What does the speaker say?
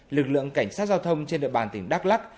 lực lượng cảnh sát giao thông trên địa bàn tỉnh đắk lắc